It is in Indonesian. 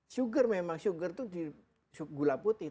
sugar memang sugar itu gula putih